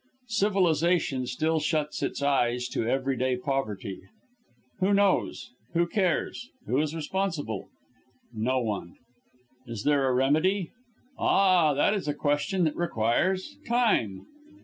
Civilization still shuts its eyes to everyday poverty. Who knows? Who cares? Who is responsible? No one. Is there a remedy? Ah! that is a question that requires time.